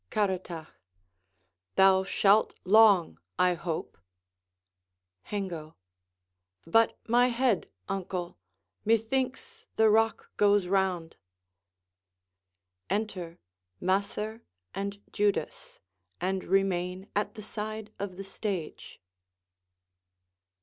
Caratach Thou shalt, long, I hope. Hengo But my head, uncle! Methinks the rock goes round. [_Enter Macer and Judas, and remain at the side of the stage.